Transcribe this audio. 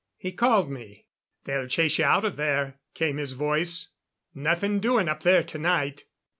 He called me. "They'll chase you out of there," came his voice. "Nothing doing up there tonight.